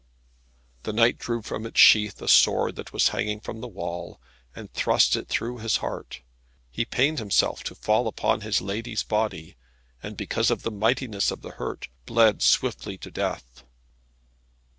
The knight drew from its sheath a sword that was hanging from the wall, and thrust it throught his heart. He pained himself to fall upon his lady's body; and because of the mightiness of his hurt, bled swiftly to death.